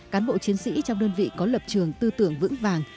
cán bộ chiến sĩ trong đơn vị có lập trường tư tưởng vững vàng